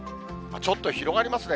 ちょっと広がりますね。